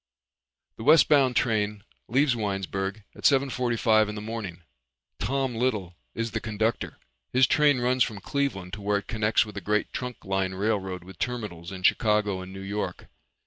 The westbound train leaves Winesburg at seven forty five in the morning. Tom Little is conductor. His train runs from Cleveland to where it connects with a great trunk line railroad with terminals in Chicago and New York.